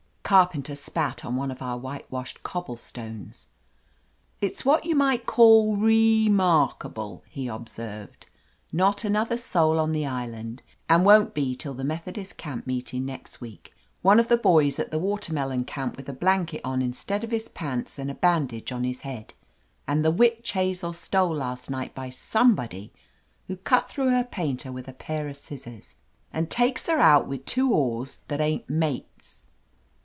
Carpenter spat on one of our whitewashed cobblestones. "It's what you might call ree markable," he observed. "Not another soul on the island, and won't be 'til the Methodist camp meeting next week; one of the boys at the Watermelon Camp with a blanket on in 2191 THE AMAZING ADVENTURES stead of his pants and a bandage on his head, and the Witch Hazel stole last night by some body who cut through her painter with a pair of scissors and takes her out with two oars that ain't mates."